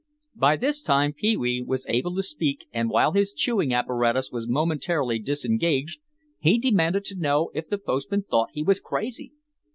By this time Pee wee was able to speak and while his chewing apparatus was momentarily disengaged he demanded to know if the postman thought he was crazy.